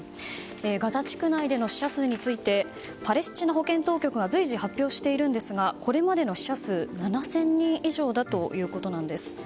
ガザ地区内での死者数についてパレスチナ保健当局は随時、発表しているんですがこれまでの死者数は７０００人以上だということです。